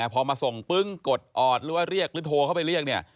พอมาส่งปึ้งกดออดหรือว่าเรียกหรือโทรเข้าไปเรียกเนี่ย